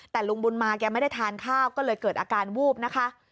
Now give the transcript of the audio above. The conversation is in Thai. แต่ลุงบุญมาแกไม่ได้ทานข้าวก็เลยเกิดอาการวูบนะคะ